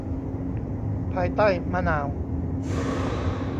ภายใต้มะนาว